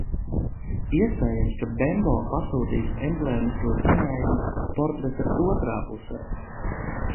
Iespējams, ka Bembo pasūtījis emblēmisko zīmējumu portreta otrā pusē.